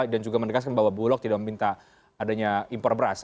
dan juga menegaskan bahwa bulog tidak meminta adanya impor beras